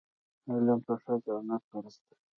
علم په ښځه او نر فرض ده.